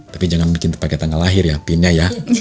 tapi jangan bikin pake tanggal lahir ya pin nya ya